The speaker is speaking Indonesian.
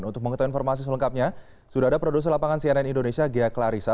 untuk mengetahui informasi selengkapnya sudah ada produser lapangan cnn indonesia ghea klarissa